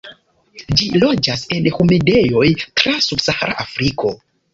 Ĝi loĝas en humidejoj tra subsahara Afriko.